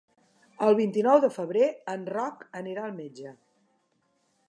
El vint-i-nou de febrer en Roc anirà al metge.